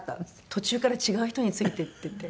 途中から違う人についていってて。